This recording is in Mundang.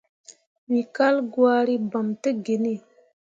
We kal gwari, bam tə genni.